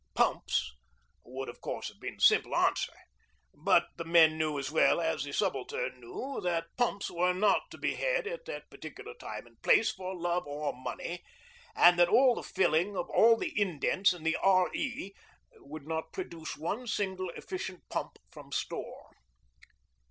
'Pumps' would of course have been the simple answer, but the men knew as well as the Subaltern knew that pumps were not to be had at that particular time and place for love or money, and that all the filling of all the 'indents' in the R.E. would not produce one single efficient pump from store.